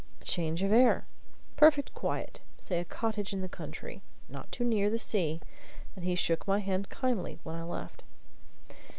A change of air perfect quiet say a cottage in the country not too near the sea. And he shook my hand kindly when I left.